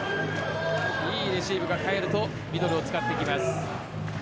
いいレシーブが返るとミドルを使ってきます。